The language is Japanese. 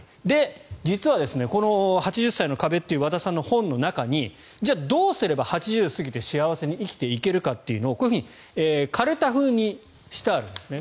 実はこの「８０歳の壁」という和田さんの本の中にじゃあ、どうすれば８０を過ぎて幸せに生きていけるかというのをかるた風にしてあるんですね。